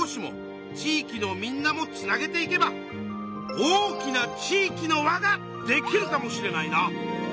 大きな地域の輪ができるかもしれないな。